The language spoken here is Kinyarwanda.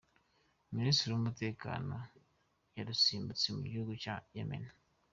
Minisitiri w’umutekano yarusimbutse Mugihugu Cya Yemeni